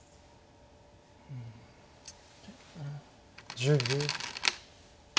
１０秒。